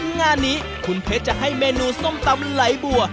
งานนี้คุณเพชรจะให้เมนูส้มตำไหลบัว